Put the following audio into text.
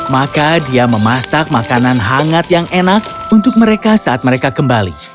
maka dia memasak makanan hangat yang enak untuk mereka saat mereka kembali